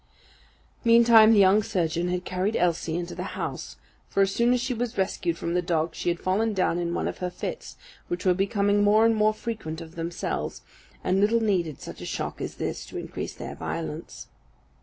Meantime the young surgeon had carried Elsie into the house; for, as soon as she was rescued from the dog, she had fallen down in one of her fits, which were becoming more and more frequent of themselves, and little needed such a shock as this to increase their violence.